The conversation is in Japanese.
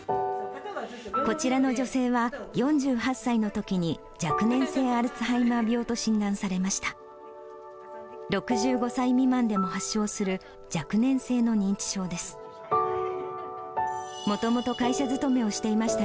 こちらの女性は、４８歳のときに若年性アルツハイマー病と診断されました。